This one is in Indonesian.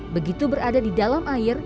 begitu berada di dalam air